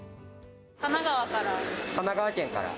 神奈川から。